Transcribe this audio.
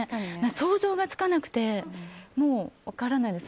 想像がつかなくて分からないです。